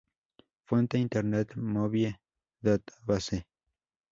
Fuente: Internet Movie Database.